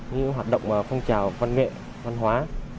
những hoạt động phong trào văn nghệ văn hóa